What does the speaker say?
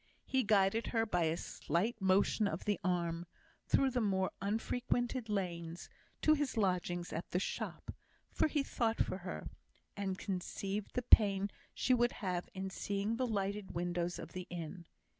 He guided her by a slight motion of the arm, through the more unfrequented lanes, to his lodgings at the shop; for he thought for her, and conceived the pain she would have in seeing the lighted windows of the inn.